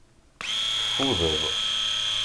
Teffudeḍ.